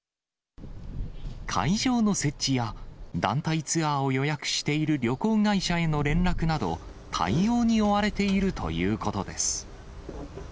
会場の設置や、団体ツアーを予約している旅行会社への連絡など、対応に追われているということです。